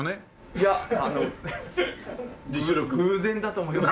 いやあの偶然だと思います。